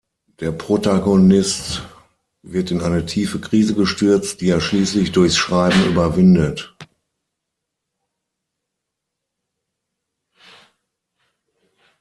Der Protagonist wird in eine tiefe Krise gestürzt, die er schließlich durchs Schreiben überwindet.